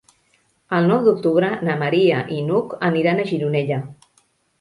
El nou d'octubre na Maria i n'Hug aniran a Gironella.